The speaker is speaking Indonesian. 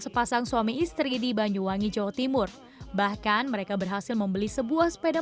sepasang suami istri di banyuwangi jawa timur bahkan mereka berhasil membeli sebuah sepeda